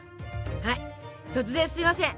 はい突然すみません！